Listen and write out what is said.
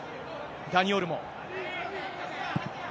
ダニ・オルモ。